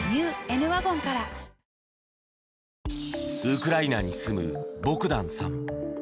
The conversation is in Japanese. ウクライナに住むボグダンさん。